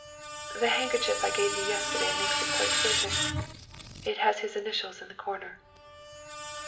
The hand kerchief I gave you yesterday makes it quite certain. It had his initials in the corner."